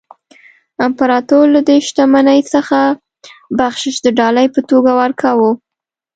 امپراتور له دې شتمنۍ څخه بخشش د ډالۍ په توګه ورکاوه.